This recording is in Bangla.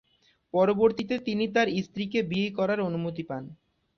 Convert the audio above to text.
পরবর্তীতে তিনি তার স্ত্রীকে বিয়ে করার অনুমতি দেন।